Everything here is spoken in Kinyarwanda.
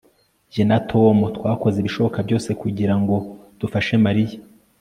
Jye na Tom twakoze ibishoboka byose kugirango dufashe Mariya